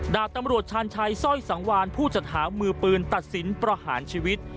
ดาบตำรวจชาญชัยสร้อยสังวานผู้จัดหามือปืนตัดสินประหารชีวิต